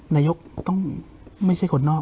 นายกจะไม่ใช่คนนอก